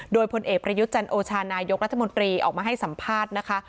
โดยพลเอกประยุทธ์จันโอชานายกรัฐมนตรีออกมาให้สัมภาษณ์นะคะ